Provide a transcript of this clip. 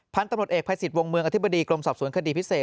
พันธุ์ตำรวจเอกภัยสิทธิ์วงเมืองอธิบดีกรมสอบสวนคดีพิเศษ